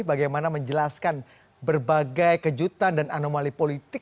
bagaimana menjelaskan berbagai kejutan dan anomali politik